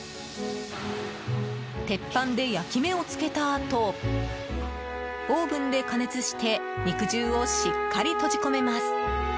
鉄板で焼き目を付けたあとオーブンで加熱して肉汁をしっかり閉じ込めます。